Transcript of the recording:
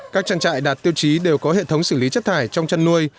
các trang trại đạt tiêu chí đều có hệ thống xử lý chất thải trong chăn nuôi